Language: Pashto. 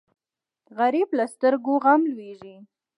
غریب له سترګو غم لوېږي